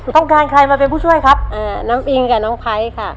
ต้องการใครมาเป็นผู้ช่วยครับน้ำอิงกับน้องไพรค่ะ